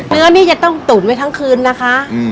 เนื้อนี่จะต้องตุ๋นไว้ทั้งคืนนะคะ